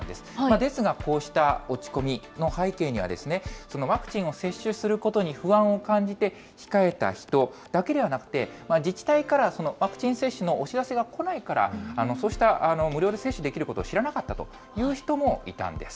ですが、こうした落ち込みの背景にはですね、そのワクチンを接種することに不安を感じて控えた人だけではなくて、自治体からワクチン接種のお知らせが来ないから、そうした無料で接種できることを知らなかったという人もいたんです。